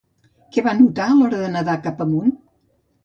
Què va notar a l'hora de nedar cap amunt?